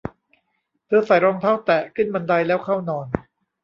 เธอใส่รองเท้าแตะ ขึ้นบันไดแล้วเข้านอน